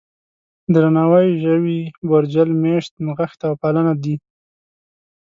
درناوی، ژوي، بورجل، مېشت، نغښته او پالنه دي.